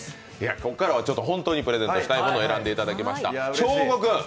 ここからは本当にプレゼントしたいものを選んでいただきました。